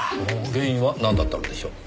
原因はなんだったのでしょう？